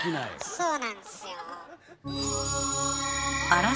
そうなんですよ。